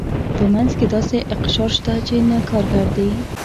په منځ کې داسې اقشار شته چې نه کارګر دي.